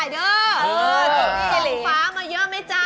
ส่องฟ้ามาเยอะไหมจ๊ะ